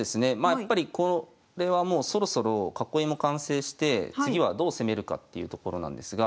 やっぱりこれはもうそろそろ囲いも完成して次はどう攻めるかっていうところなんですが。